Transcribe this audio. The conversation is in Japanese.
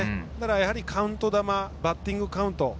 やはりカウント球バッティングカウント